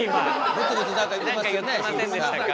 ブツブツ何か言ってましたね。